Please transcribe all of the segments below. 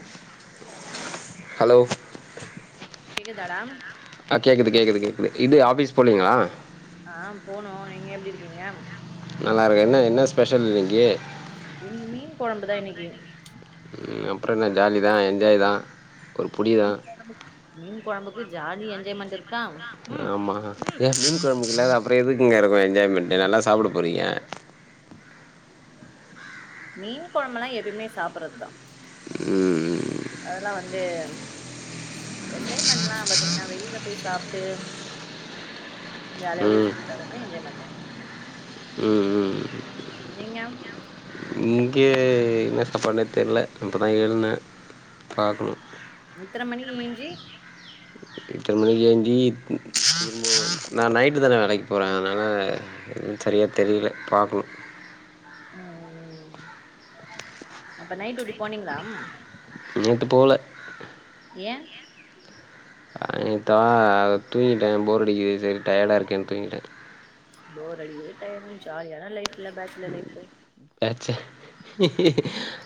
உம் எப்பிடிடா இருக்க ஹலோ கேக்குதா டா ஆ கேக்குது கேக்குது கேக்குது இது ஆபீஸ் போலிங்களா ஆ போனு நீங்க எப்படி இருக்கீங்க நல்லா இருக்க என்ன என்ன ஸ்பெஷல் இன்னைக்கி இன்னிக்கு மீன் கொழம்புதா இன்னிக்கு ம் அப்புறோ என்ன ஜாலி தா என்ஜாய் தா மீன் கொழம்பு மீன் கொழம்புக்கு ஜாலி என்ஜாய்மெண்ட் இருக்கா ம் ஆமா ம் ஏ மீன் கொழம்பக்குல அப்புறோ எதுக்கு இங்க இருக்கு என்ஜாய்மெண்ட் நல்லா சாப்பிட போறீங்க மீன் கொழம்பெல்லா எப்பயுமே சாப்பிடடுறதுதா உம் ம் அதெல்லா வந்து என்ஜாய்மென்டல்லா பாத்தீங்னா வெளில போய் சாப்டு ஜாலியா ஊர் ம் சுத்தி பாக்றது தா என்ஜாய்மென்டு ம் ம் நீங்க இங்கே என்ன சாப்பாடுனே தெரில இப்பதா எழுன்தே பாக்கணு இத்தரமணிக்கு ஏஞ்சி இத்தனமணிக்கு ஏஞ்சி ம் நா நைட்டு தானே வேலைக்கு போறே அதனால எதுவு சரியாக தெரியல பாக்கனு ஆ அப்ப நைட் டூட்டி போனீங்களா நேத்து போல ஏ அதுத்தா தூங்கிட்டேன் போர் அடிக்குது சரி டயர்டா இருக்குன்னு தூங்கிட்ட போர் அடிகுது டையடா ஜாலியான லைஃப்ல பேச்சுலர் உம் லைஃப் ஏ ச்ச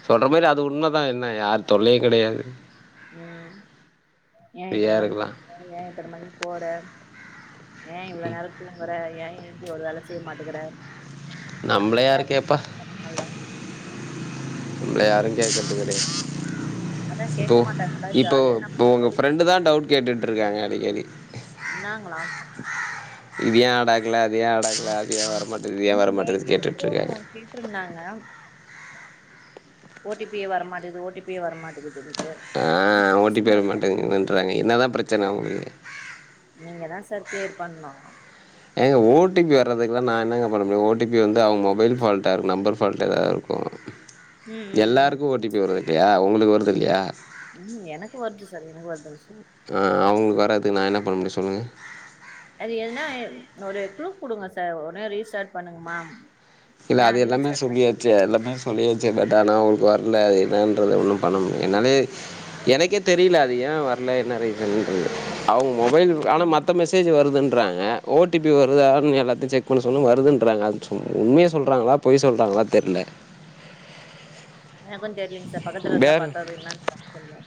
சொல்ற மாதிரி அது உண்மைதான் என்ன யார் தொல்லையும் கிடையாது உம் ஏன் ஃப்ரீயா இத்தன மணிக்கு இருக்கலா [unintelligible] ஏன் இத்தன மணிக்கு போற ஏன் இவ்வளவு நேரம் தூகுங்கற ஏன் எஞ்சி ஒரு வேல செய்ய மாட்டேங்கற நம்மள யாரு கேப்பா நம்மள யாரும் கேக்றது கிடையா அதா போ கேக்க மாட்டாங்களா இப்போ ஜாலியா நம்ம இப்ப உங்க இஷ்டத்துக்கு ஃப்ரெண்டு தான் டவுட் கேட்டுட்டு இருக்காங்க அடிக்கடி என்னங்களா இது ஏ நடக்ல அது ஏ நடக்ல அது ஏ வர மாட்டேக்குது இது ஏ வர மாட்டேக்குது கேட்டுட்ருக்காங்க இருந்தாங்க ஓ டி பி யே வரமாட்டுது ஓ டி பி யே வர மாட்டுகுதுன்டு அ ஓ டி பி வர மாட்டேங்குதுன்றாங்க என்ன தா பிரச்சன அவங்ளுக்கு நீங்க தா சார் கிளியர் பண்ணும் எங்க ஓ டி பி வரதுக்கெல்ல நா எண்ணங்க பண்ண முடியும் ஓ டி பி வந்து அவங்க மொபைல் ஃபால்ட்டா இருக்கும் நம்பர் ஃபால்ட் எதாது இருக்கும் ம் ம் ம் எல்லோருக்கும் ஓ டி பி வரது இலயா உங்ளுக்கு வருது இலயா ம் எனக்கு வருது சார் எனக்கு வருதுங் சார் அ அவுங்ளுக் வராதுக்கு நா என்ன பண்ண முடியும் சொல்லுங்க அது எனா ஒரு குளு குடுங்க சார் உடனே ரீஷாட் பண்ணுங்கமா இல்ல நா அது எல்லாமே ரீஸ்டார்ட் பண் சொல்லியாச் ச்ச எல்லாமே சொல்லியாச்சு பட் ஆனா அவுங்ளுக் வர்ல அது என்னன்றது ஒண்ணும் பண்ண முடியும் என்னாலயே எனக்கே தெரில அது ஏ வர்ல என்ன ரீசன்றது அவுங் மொபைல் ஆனா ம் மத்த மெசேஜ் வருதுன்றாங்க ஓ டி பி வருதானு எல்லாத்து செக் ஒண்ணு சொன்ன வருதுன்றாங்க அது சும் உண்மைய சொல்றாங்களா பொய் சொல்றாங்களா தெர்ல எனக்கும் தெரிலீங் சார் பக்கத்துல இருந்தா வேற பாத்தாத என்னான்னு [unintelligible] தெரியு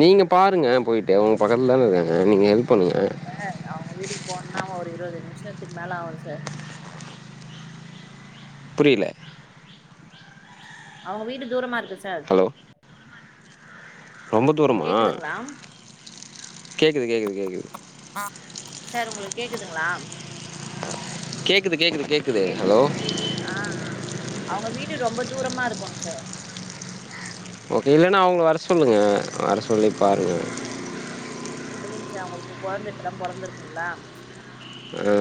நீங்க பாருங்க போய்ட்டு உங்க பக்கத்ல தான இருக்காங்க நீங்க ஹெல்ப் பண்ணுங்க இல்ல அவுங்க வீட்டுக்கு போன்னா ஒரு இருவது நிமிஷத்துக் மேல ஆவு சார் புரில அவுங்க வீடு தூரமா இருக்கு சார் ஹலோ ரொம்ப தூரமா கேக்குதுங்களா கேட்குது கேட்குது கேட்குது அ சார் உங்களுக் கேக்குதுங்ளா கேக்குது கேக்குது கேக் கேக்குது ஆ ஆ அவுங்க வீடு ரொம்ப தூரமா இருக்குங் சார் ஓகே இல்லனா அவுங்ள வர சொல்லுங்க வர சொல்லி பாருங்க இல்லிங் சார் அவுங்ளுக்கு கொழந்த இப்ப தா பொறந்துருக்குங்ளா [inaudible]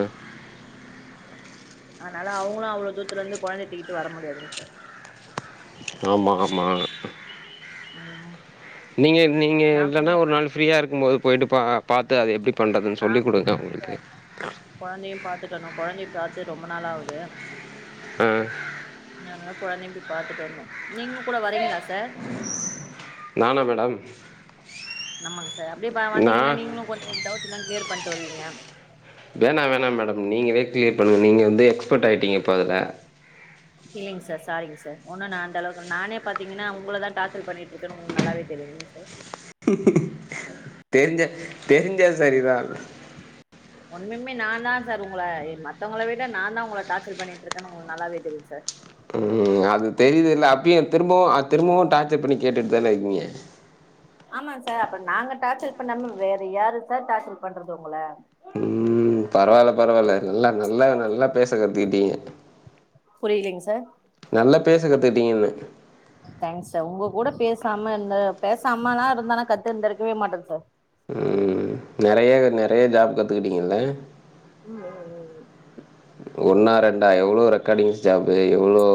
ஆனால அவுங்ளு அவ்ளோ தூத்துல இருந்து கொழந்தைய துக்கிட்டு வர முடியாதுங் சார் ஆமா ஆமா [unintelligible] நீங்க இருந்திங்க நா இல்லனா ஃப்ரீயா ஒரு நாள் ஃப்ரீயா இருக்கும் போது போய்ட்டு பா பாத்து அது எப்டி பண்றதுன்னு சொல்லி குடுங்க அவுங்ளுக்கு கொழந்தையும் பாத்துட்டு வர்ணு கொழந்தைய பாத்து ரொம்ப நாள் ஆவுது ம் நான்னு எல்லா கொழந்தையு போய் பாத்துட்டு வந்தோ நீங்களும் கூட வரீங்களா சார் நானா மேடம் நம்மங்க சார் அப்டியே பா வந்தீங்கன்னா நான் நீங்ளு கொஞ்ச டவுட்னா கிளியர் பண்ட்டு வருவீங்க வேணா வேணா மேடம் நீங்களே கிளியர் பண்ணுங் நீங்க வந்து எக்ஸ்பட் ஆய்டீங்க இப்ப அதுல இல்லிங் சார் சாரிங் சார் ஒண்ணு நா அந்தளவுக்கு ஒண்ணு நானே பாத்தீங்கனா உங்கள தா டார்ச்சல் பண்ணிட்டு இருக்கனு உங்களுக்கு நல்லாவே தெரிலிங் சார் தெரிஞ்சா தெரிஞ்சா சரி தா ஒண்ணுமே நா தா சார் உங்கள இ மத்தவங்கள விட நா தா உங்கள டார்ச்சல் பண்ணிட்ருக்கனு உங்களுக்கு நல்லாவே தெரியு சார் ம் அது தெரிது ல அப்பயு திரும்பவு அத் திரும்பவு டார்ச்சர் பண்ணி கேட்டுட்டுதான இருக்கீங்க ஆமாங் சார் அப்ப நாங்க டார்ச்சல் பண்ணாம வேற யாரு சார் டார்ச்சல் பண்றது உங்கள ம் ம் பரவால பரவால நல்லா நல்லா நல்லா பேச கத்துக்கிட்டீங்க புரிலிங் சார் நல்லா பேச கத்துகிட்டீங்கனுன்ன தேங்க்ஸ் சார் உங்க கூட பேசாம இருந்த பேசாமல்லா இருந்தனா கத்துட் இருக்கவே மாட்டன் சார் ம்ம் நெறைய நெறைய ஜாப் கத்துக்கிட்டீங்கள்ள ம்ம் ம் ஒன்னா ரெண்டா எவ்ளோ ரெக்கார்டிங் ஸ்டாப்பு எவ்ளோ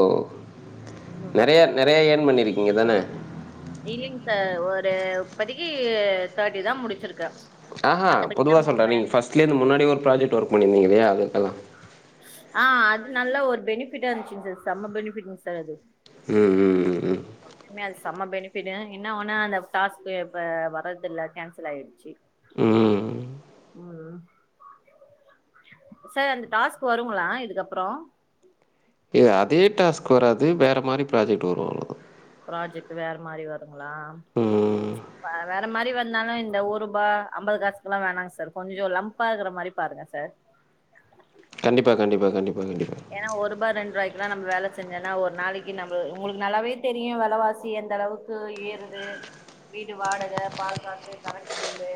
ம் நெறய நெறைய யர்ன் பண்ணிருக்கீங்க தான இல்லிங் சார் ஒரு இப்பதிக்கு உ தேர்ட்டி தா முடிச்சிருக்க ஆ பொதுவா சொல்ற நீ ஃபர்ஸ்ட்லே இருந்து முன்னாடி ஒரு ப்ராஜெக்ட் ஒர்க் பண்ணிருந்திங்க இல்லியா அதுக்கல்லா ஆ அது நல்லா ஒரு பெனிஃபிட்டா இருந்துச்சுங் சார் செம்ம பெனிஃபிட்ங்க சார் அது ம் ம் ம் ம் உண்மையா அது செம்ம பெனிஃபிட் என்ன ஒன்னா அந்த டாஸ்க்கு இப்ப வர்றது இல்ல கேன்சல் ஆயிடுச்சு ம் ம் சார் அந்த டாஸ்க் வருங்களா இதுக்கப்பற இது அதே டாஸ்க் வராது வேற மாரி ப்ராஜெக்ட் வரு அவ்ளோதா ப்ராஜெக்ட் வேற மாரி வருங்களா ம் வேற மாரி வந்தாலு இந்த ஒர் ரூபா அம்பது காசுக்கு எல்லா வேணாங்க சார் கொஞ்ச லம்ப் பா க்குற மாரி பாருங்க சார் கண்டிப்பா கண்டிப்பா கண்டிப்பா கண்டிப்பா ஏன்னா ஒரு ரூபா ரெண்டு ரூபாய்க்கு எல்லா நம்ம வேல செஞ்சோன்னா ஒரு நாளைக்கு நம்ப உங்களுக்கு நல்லாவே தெரியு விலவாசி எந்த அளவு க்கு ஏறுது வீடு வாடக பால் காசு கரண்டு பில்லு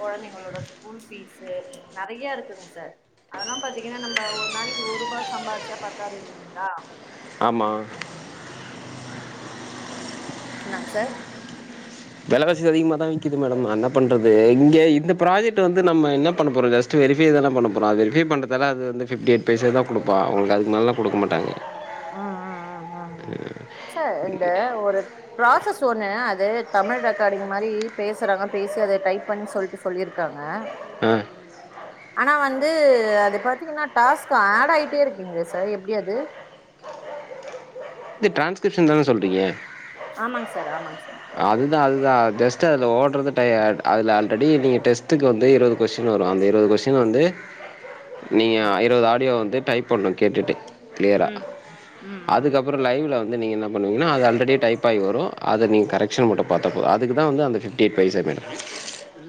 குழந்தைங்களோட ஸ்கூல் ஃபீஸு நெறய இருக்குங் சார் அதல்லா பாத்தீங்கன்னா நம்ப ஒரு நாளைக்கு ஒர் ரூபா சம்பாரிச்சா பத்தாது இல்லிங்களா ஆமா என்ன சார் விலவாசி அதிகமா தா விக்குது மேடம் நா என்ன பண்றது இங்க இந்த ப்ராஜக்ட் வந்து நம்ம என்ன பண்ண போறோ ஜஸ்ட் ஜெஸ்ட வெரிஃபை தான பண்ண போறோ அது வெரிஃபை பண்ணறதால்ல அது வந்து ஃபிப்டி எயிட் பைசா தா குடுப்பா உங்களுக்கு அதுக்கு மேலல்லா குடுக்க மாட்டாங்க அஅ அஅ சார் இந்த ஒரு ப்ராசஸ் ஒண்ணு அது தமிழ் ரெக்கார்டிங் மாரி பேசுறாங்க பேசி அத டைப் பண்ணி சொல்ட்டு சொல்லியிருக்காங்க ஆ ஆனா வந்து அது பாத்தீங்கன்னா டாஸ்க் ஆட் ஆகிட்டே இருக்கீங்குளே சார் எப்டி அது இது டிரான்ஸ்கிரிப்ஷன் தான சொல்றீங்க ஆமாங் சார் ஆமாங் சார் அதுதா அதுதா ஜஸ்ட் அதுல ஓட்றது டயடூ அதுல ஆல்ரெடி நீங்க டெஸ்ட்டுக்கு வந்து இருவ் கொஸ்டின் வரு அந்த இருவது கொஸ்டின் வந்து நீங்க இருவது ஆடியோ வந்து டைப் பண்ணு கேட்டுட்டு கிளியரா ம் ம் ம் ம். அதுக்கப் அப்புற லைவ்ல வந்து நீங்க இன்னா பண்ணுவீங்கனா அது அல்ரெடி டைப் ஆகி வரு அது நீங் கரக்ஷன் மட்டு பாத்த போது அதுக்குதா வந்து அந்த [unintelligible]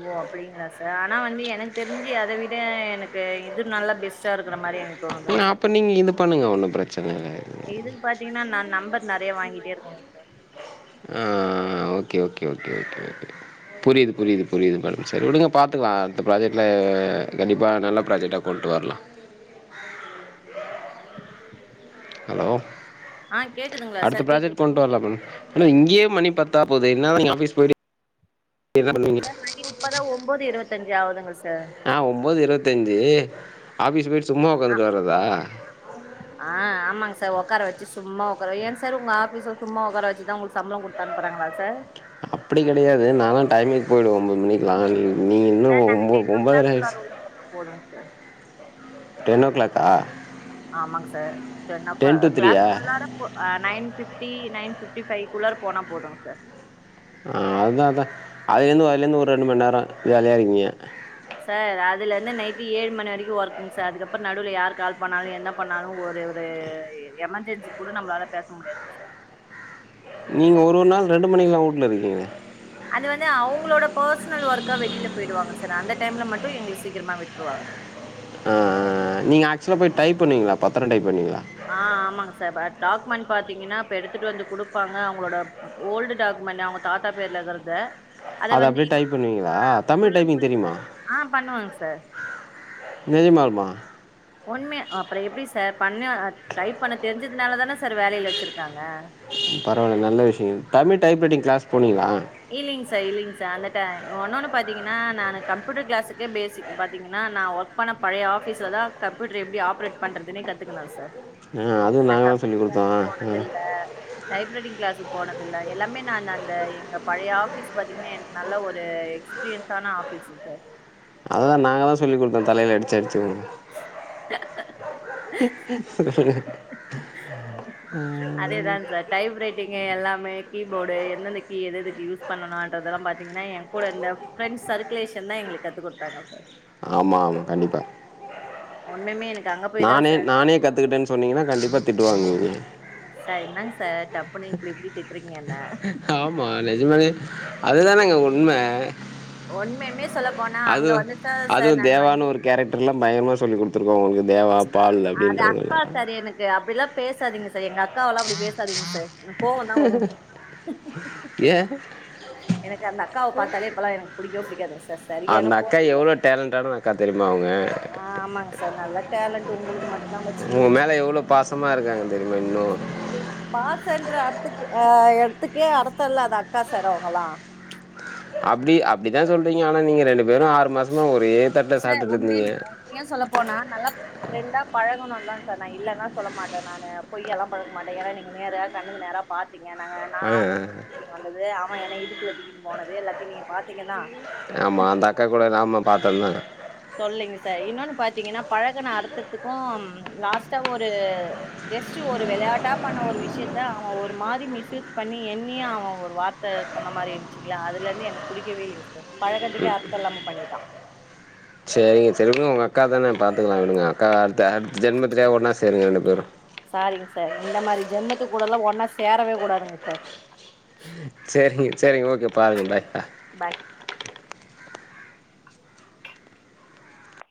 ஓ அப்டிங்ளா சார் ஆனா வந்து எனக்கு தெரிஞ்சு அத விட எனக்கு இது நல்லா பெஸ்ட்டா இருக்கிற மாரி இருக் அப்போ நீங்க இது பண்ணுங்க ஒன்னு பிரச்சன இல்ல இதுக் பாத்தீங்னா நா நம்பர் நறைய வாங்கிட்டே இருக்குனு ஆ okay okay okay okay okay புரிது புரிது புரிது மேடம் சேரி விடுங்க பாத்துக்கிளா அடுத்த ப்ராஜெக்ட்ல கண்டிப்பா நல்லா ப்ராஜெக்ட்டா கொண்டு வர்லா ஹலோ ஆ கேக்குதுங்களா அடுத்த சார் கேக்குது ப்ராஜெக்ட் கொண்டு வர்ல கேக்குது மேம் ஆனா இங்கியே மணி பத்தாப் போது என்னாதா நீங்க ஆபிஸ் போயிட்டு என்ன பண்ணுவீங்க சார் மணி இப்பதா ஒம்பது இருவத்தஞ்சு ஆவுதுங்க சர் ஆ ஒம்பது இருவத்தஞ்சு ஆஃபீஸ் போய்ட்டு சும்மா ஆ உக்காந்துட்டு வர்றதா ஆ ஆமாங் சார் உக்கார வச்சு சும்மா உக்கார ஏ சார் உங்க ஆபீஸ்ல சும்மா உக்கார வச்சு தா உங்ளுக்கு சம்புளோ குடு தன்ப்புறாங்களா சார் அப்டி கிடையாது நாலா டைமுக் போயிடுவ ஒன்பது மணிக்கிலா சார் நாங்க டென் ஓ கிளாக் கூள்ளார உள்ள போன போதங் சார் டென் ஓ கிளாக்கா ஆமாங் சார் டென் ஓ ஓள டு கிளாக் த்ரீயா குள்ளார ப்போ அ nine fifty nine fifty five கூள்ளார போன போதுங் சார் ஆ அதா அதா அதுலந்து அதலந்து ஒரு ரெண்டு மண் நேர ஜாலியா இருக்கீங்க சார் அதுல இருந்து நைட் ஏழு மணி வரைக்கு ஒர்க்குங் சார் அதுக்கப்பற நடுவுல யார் கால் பண்ணாலு என்னப் பண்ணாலு ஒரு ஒரு எமர்ஜென்சி கூட நம்ப்ளால பேச முடியாது நீங்க ஒரு ஒரு நாள் ரெண்டு மணிக்கிலா வூட்ல இருக்கீங்ளே அது வந்து அவுங்ளோட பர்ச்னல் ஒர்க்கா வெளியில போயிடுவாங்க சார் அந்த டைம்ல மட்டு எங்ளு சீக்கிரமா விட்ருவாங்க ஆ ஆ ஆ நீங்க ஆக்சுவலா போய் டைப் பண்ணுவிங்ளா பத்தர டைப் பண்ணுவீங்ளா ஆ ஆமாங்க சார் டாக்குமெண்ட் பாத்தீங்கன்னா இப்ப எடுத்துட்டு வந்து குடுப்பாங்க அவுங்ளோட ஓல்டு டாக்குமெண்ட் அவுங்க தாத்தா பேர்ல எதர்தே அத அப்டியே டைப் பண்ணுவீங்ளா தமிழ் அண்ட் டைப்பிங் ஃபுல் தெரியுமா ஆ பண்ணுவங் சர் நெஜ்மாலுமா உண்மே அப்புற எப்டி சார் பண்ண டைப் பண்ண தெரிஞ்சதுனால தானே சார் வேலையில வச்சிருக்காங்க பரவால்ல நல்ல விஷியங்க தமிழ் டைப்ரைட்டிங் க்ளாஸ் போனீங்ளா இல்லிங் சார் இல்லிங் சார் அந்த டை ஒன்னொன்னு பாத்தீங்கன்னா நானு கம்ப்யூட்டர் கிளாஸுக்கே பேசிக் பாத்தீங்கன்னா நா ஒர்க் அப்பான பழைய ஆபீஸ்ல தா கம்ப்யூட்டர் எப்டி ஆப்ரேட் பண்றதுனே கத்துக்கினா சார் ஆ அதுவும் நா நாங்க தான் சொல்லிக் கம்புயுட்ரு குடுத்தோ கிளாஷுக்கு ஆ போனதில்ல டைப்ரைடிங் கிளாஸுக் போனதுல்ல எல்லாமே நான் அந்த எங்க பழைய ஆபீஸ் பாத்தீங்னா எனக்கு நல்ல ஒரு எக்ஸ்பீரியன்ஸான ஆபீஸ் சர் அததா நாங்க தா சொல்லிக் குட்த்தோ தலையில அடிச்சடிச்சு [unintelligible] அதேதா சார் டைப் ரைட்டிங்கு எல்லாமே கீபோர்டு எந்தெந்த கீ எது எதுக்கு யூஸ் பண்ணனுன்றதெல்லா பாத்தீங்னா எ கூட இந்த ஃப்ரண்ஸ் சர்குலேஷன் தா எங்ளுக் கத்து குட்த்தாங்க ஆமாலு கண்டிப்பா ஒண்ணுமே எனக்கு அங்க போய் தா நானே சார் நானே கத்துக்கிட்டேன் சொன்னீங்கன்னா கண்டிப்பா திட்டுவாங்குவீங்க சர் என்னங் சார் டப்புனு இப்டி இப்டி திட்றீங்க என்ன ஆமா நெஜமாலையே அதுதானங்க உண்ம ஒண்மையுமே சொல்ல போனா அங்க வந்துசா சார் நானு வந்து கேரக்டுர்லா பயங்கரமா சொல்லி குடுத்துருக்கோ உங்க தேவா பால் அப்டின்றதெல்லா ஏ அப்டில்லா பேசாதீங்க சர் எங்க அக்காவெல்லா அப்டி பேசாதீங்க ச என கோவந்தா வரூ ஏ எனக்கு அந்த அக்காவ பாத்தாலே இப்பெல்லா எனக்கு புடிக்கவே புடிக்காதுங்க சர் சரியான சோப்பிரியா டேலண்ட்டான அக்கா தெரியுமா அவங்க ஆ ஆமாங்க சார் நல்ல டேலண்டு உங்களுக்கு மட்டுந்தா அவங்க உங்க மேல எவ்ளோ பாசமா இருக்காங்க தெரியுமா இன்னூ ச்சீ அப்டி பாசன்ற அட்த்துக்கு அ எட்த்துக்கே அடுத்த இல்லாத அக்கா சார் அவங்களா அப்டி அப்டிதா சொல்றீங்க ஆனா நீங்க ரெண்டு பேரு ஆறு மாசமா ஒரே தட்ட சாப்ட்டுட்டு இருந்தீங்க உண்மைய சொல்ல போனா நல்லப் ஃப்ரெண்டா பழகணு தா சார் நா இல்லன்லா சொல்ல மாட்ட நானு பொய்யாலா பழக மாட்டே ஏனா நீங்க நேர கண்ணுக்கு நேரா பாத்தீங்க நாங்க அ அ த்துகாண்டது அவ என இடுப்புல தூக்கினு போனது எல்லாத்தையு நீங்க பாத்தீங்க தா ஆமா அந்த அக்கா கூட நாம்லு ஆமா பாத்தொங்கு சொல்லுங்க சா இன்னொனு பாத்தீங்கன்னா பழகுன அர்த்தத்துக்கும் லாஸ்ட்டா ஒரு ஜஸ்ட்ட் ஒரு விளையாட்டா பண்ண ஒரு விஷியத்த அவ ஒரு மாரி மிஸ்யூஸ் பண்ணி என்னிய அவ ஒரு வார் த்த சொன்ன மாரி இருந்துச்சிங்களா அதுல இருந்து எனக்கு புடிக்கவே இல்லிங்க சார் பழக்கத்துக்கே அர்த்தோ இல்லாம பண்ணிட்டா செரிங்க செரிங்க உங்க அக்கா தான பாத்துக்கலா விடுங்க அக்கா அடுத்த அடுத்த ஜென்மத்துலையா ஒன்னா சேருங்க ரெண்டு பேரு சாரிங்க சர் இந்த மாரி ஜென்மத்து கூடல்லா ஒன்னா சேரவே கூடாதுங்க ச செரிங்க செரிங்க ஓக்கே பாருங்க பாய் பாய்